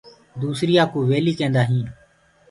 دوسريآ ڪوُ ويلي ڪيندآ هينٚ۔